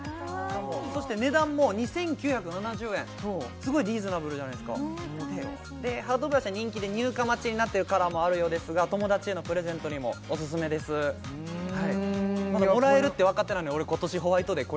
そして値段も２９７０円すごいリーズナブルじゃないですかでハートブラシは人気で入荷待ちになっているカラーもあるようですが友達へのプレゼントにもオススメですもらえるって分かってないのに俺今年ホワイトデー